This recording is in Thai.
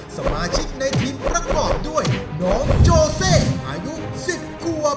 สมาชิกในทีมประกอบด้วยน้องโจเซอายุ๑๐ขวบ